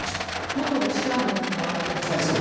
元ロシア軍なわけですよね。